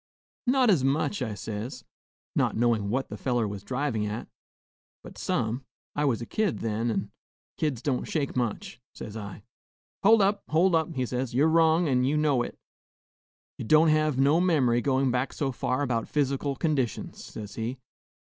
'Not as much,' I says, not knowin' what the feller was drivin' at, 'but some; I was a kid then, and kids don't shake much,' says I. 'Hold up! hold up!' he says, 'you 're wrong, an' ye know it; ye don't hev no mem'ry goin' back so far about phys'cal conditions,' says he.